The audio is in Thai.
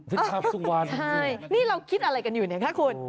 ซิกอัพสุงวาลใช่นี่เราคิดอะไรกันอยู่นี่นะคะคุณ